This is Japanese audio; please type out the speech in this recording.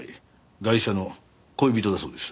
ガイシャの恋人だそうです。